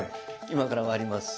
今から割ります。